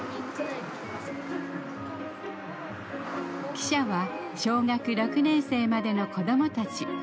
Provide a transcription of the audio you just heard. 記者は小学６年生までの子どもたち。